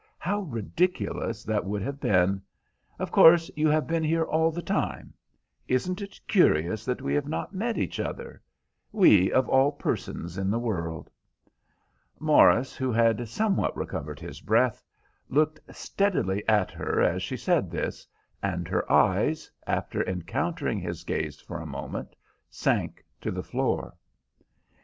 How ridiculous that would have been. Of course, you have been here all the time. Isn't it curious that we have not met each other?—we of all persons in the world." Morris, who had somewhat recovered his breath, looked steadily at her as she said this, and her eyes, after encountering his gaze for a moment, sank to the floor.